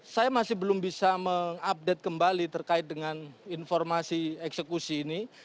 saya masih belum bisa mengupdate kembali terkait dengan informasi eksekusi ini